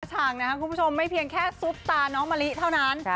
อย่าห่างนะคุณผู้ชมไม่เพียงแค่สุปตานระมาลิเท่านั้น